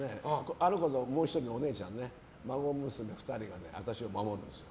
あの子のもう１人のお姉ちゃん孫娘２人が私の孫なんです。